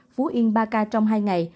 phú yên ba ca trong hai ngày